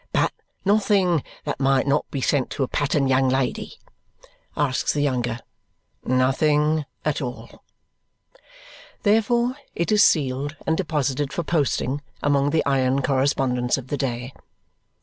"But nothing that might not be sent to a pattern young lady?" asks the younger. "Nothing at all." Therefore it is sealed and deposited for posting among the iron correspondence of the day.